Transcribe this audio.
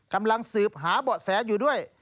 กำลังสืบหาเบาะแสอยู่ด้วย